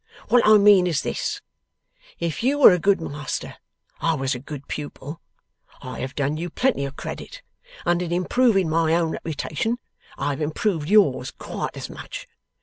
What I mean is this: if you were a good master, I was a good pupil. I have done you plenty of credit, and in improving my own reputation I have improved yours quite as much.